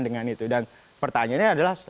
dengan itu dan pertanyaannya adalah